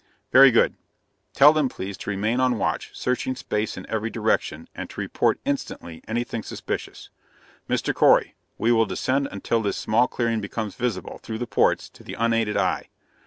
"Very good. Tell them, please, to remain on watch, searching space in every direction, and to report instantly anything suspicious. Mr. Correy, we will descend until this small clearing becomes visible, through the ports, to the unaided eye.